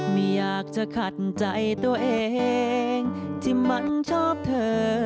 ไม่อยากจะขัดใจตัวเองที่มันชอบเธอ